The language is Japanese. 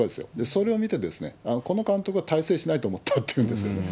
それを見て、あっ、この監督は大成しないと思ったっていうんですよ。